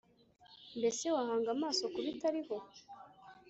mbese wahanga amaso ku bitariho’